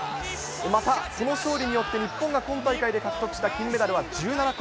また、この勝利によって日本が今大会で獲得した金メダルは１７個。